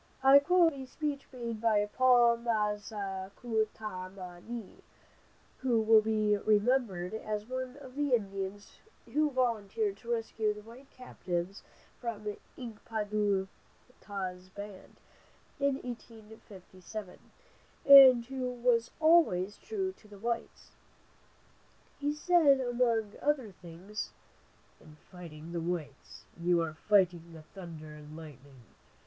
I quote from a speech made by Paul Ma za ku ta ma ni, who will be remembered as one of the Indians who volunteered to rescue the white captives from Ink pa du ta's band, in 1857, and who was always true to the whites. He said among other things: "In fighting the whites, you are fighting the thunder and lightning.